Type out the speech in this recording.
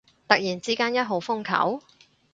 突然之間一號風球？